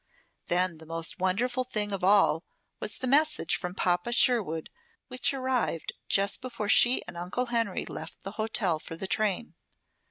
Then the most wonderful thing of all was the message from Papa Sherwood which arrived just before she and Uncle Henry left the hotel for the train.